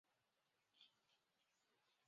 皇家空军旗在所有基地白天都要升起。